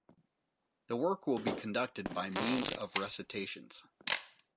The work will be conducted by means of recitations.